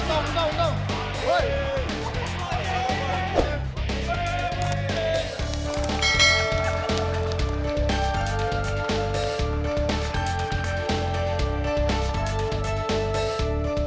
tunggu tunggu tunggu